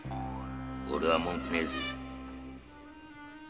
おれは文句ねえぜ